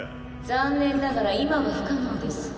残念ながら今は不可能です。